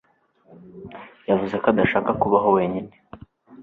yavuze ko adashaka kubaho wenyine